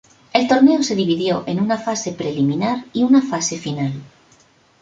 El torneo se dividió en una fase preliminar y una fase final.